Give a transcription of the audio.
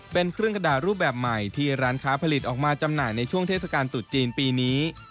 เป็นเครื่องกระดาษรูปแบบใหม่ที่ร้านค้าผลิตออกมาจำหน่ายในช่วงเทศกาลตรุษจีนปีนี้